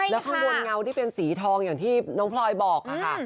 แล้วข้างบนเงาที่เป็นสีทองอย่างที่น้องพลอยบอกค่ะ